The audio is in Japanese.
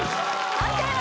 判定は？